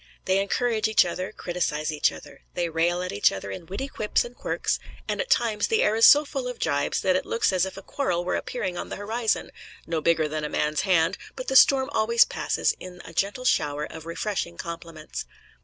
They encourage each other, criticize each other. They rail at each other in witty quips and quirks, and at times the air is so full of gibes that it looks as if a quarrel were appearing on the horizon no bigger than a man's hand but the storm always passes in a gentle shower of refreshing compliments.